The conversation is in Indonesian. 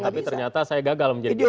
tapi ternyata saya gagal menjadi